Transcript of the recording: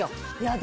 私